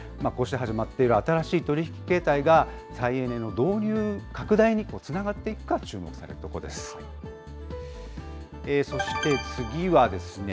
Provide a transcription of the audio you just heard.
こうして始まっている新しい取り引き形態が、再エネの導入拡大につながっていくか、注目されるところです。